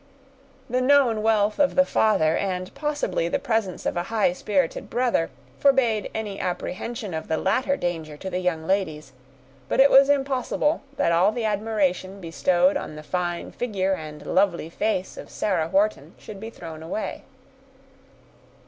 The known wealth of the father and, possibly, the presence of a high spirited brother, forbade any apprehension of the latter danger to the young ladies: but it was impossible that all the admiration bestowed on the fine figure and lovely face of Sarah Wharton should be thrown away.